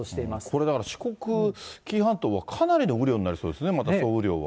これ、だから四国、紀伊半島はかなりの雨量になりそうですね、また総雨量が。